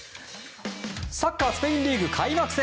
サッカースペインリーグ開幕戦。